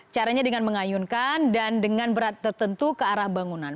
caranya dengan mengayunkan dan dengan berat tertentu ke arah bangunan